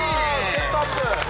セットアップ。